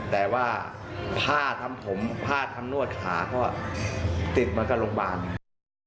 แต่ว่าผ้าทำผมผ้าทำนวดขาก็ติดมากับโรงพยาบาลไง